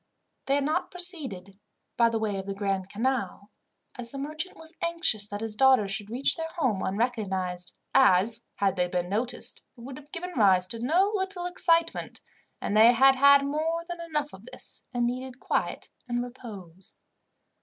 They had not proceeded by way of the Grand Canal, as the merchant was anxious that his daughters should reach their home unrecognized, as, had they been noticed, it would have given rise to no little excitement, and they had had more than enough of this, and needed quiet and repose.